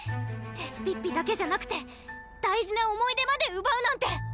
レシピッピだけじゃなくて大事な思い出までうばうなんて！